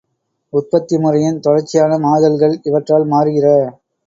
உற்பத்தி முறையின் தொடர்ச்சியான மாறுதல்கள், இவற்றால் மாறுகிற?